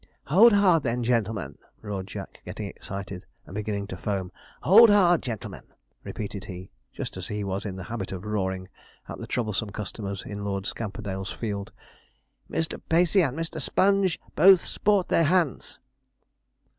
'Hold hard, then, gen'lemen!' roared Jack, getting excited, and beginning to foam. 'Hold hard, gen'lemen!' repeated he, just as he was in the habit of roaring at the troublesome customers in Lord Scamperdale's field; 'Mr. Pacey and Mr. Sponge both sport their hands.'